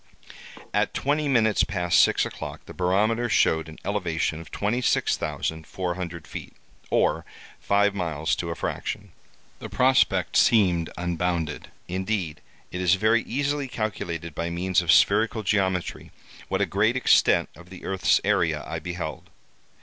"At twenty minutes past six o'clock, the barometer showed an elevation of 26,400 feet, or five miles to a fraction. The prospect seemed unbounded. Indeed, it is very easily calculated by means of spherical geometry, what a great extent of the earth's area I beheld.